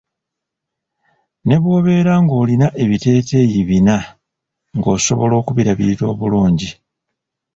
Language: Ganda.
Ne bwobeera nga olina ebiteteeyi bina nga osobola okubirabirira obulungi.